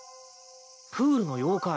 プールの妖怪。